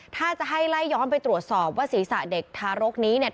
ถ้าจะให้ไล่ย้อนไปตรวจสอบว่าศีรษะเด็กทารกนี้เนี่ย